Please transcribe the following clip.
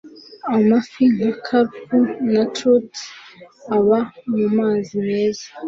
Amafi nka karp na trout aba mumazi meza.